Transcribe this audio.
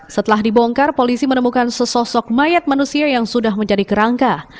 setelah dibongkar polisi menemukan sesosok mayat manusia yang sudah menjadi kerangka